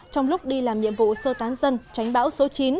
trong lúc đi làm nhiệm vụ sơ tán dân tránh bão số chín